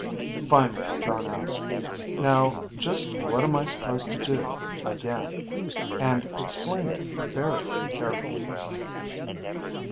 Finally Jon asked, "Now just what am I supposed to do, again? And explain it very carefully."